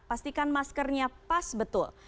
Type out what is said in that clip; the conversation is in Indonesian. pastikan maskernya pas betul